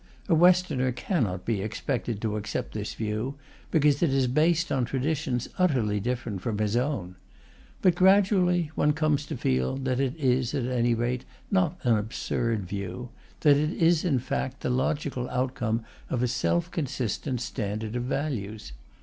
A Westerner cannot be expected to accept this view, because it is based on traditions utterly different from his own. But gradually one comes to feel that it is, at any rate, not an absurd view; that it is, in fact, the logical outcome of a self consistent standard of values.